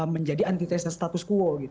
menjadi anti testnya status quo gitu